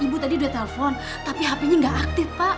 ibu tadi udah telpon tapi hp nya nggak aktif pak